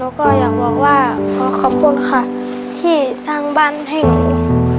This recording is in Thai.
แล้วก็อยากบอกว่าขอขอบคุณค่ะที่สร้างบ้านให้หนู